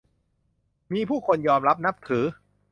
มีผู้คนยอมรับนับถือ